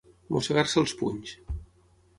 Mossegar-se els punys.